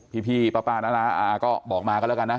พี่ป๊าป๊าอะนะอ่าก็บอกมาก็ละกันนะ